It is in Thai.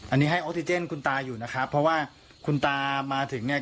อันนี้ให้ออกซิเจนคุณตาอยู่นะครับเพราะว่าคุณตามาถึงเนี่ย